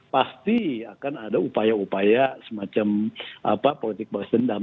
pasti akan ada upaya upaya semacam politik balas dendam